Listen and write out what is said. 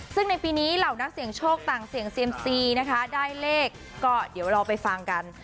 ซึ่งในปีนี้เหล่านักเสี่ยงโชคต่างเสี่ยงเซียมซีนะคะได้เลขก็เดี๋ยวเราไปฟังกัน